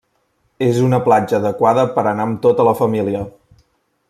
És una platja adequada per anar amb tota la família.